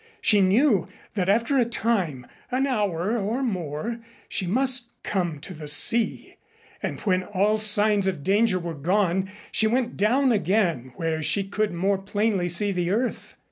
She knew that after a time an hour or more she must come to the sea. And when all signs of danger were gone she went down again where she could more plainly see the earth.